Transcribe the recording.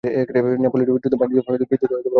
নেপোলনীয় যুদ্ধ বাণিজ্য বৃদ্ধিতে অবদান রাখে।